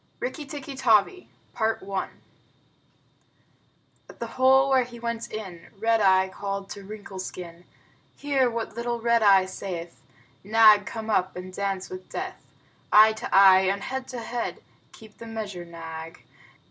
"Rikki Tikki Tavi" At the hole where he went in Red Eye called to Wrinkle Skin. Hear what little Red Eye saith: "Nag, come up and dance with death!" Eye to eye and head to head, (Keep the measure, Nag.)